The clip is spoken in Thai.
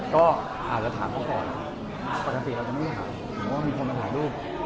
ก็อาจจะถามเขาก่อนปกติเราจะไม่ถามหรือว่ามีคนมาถ่ายรูป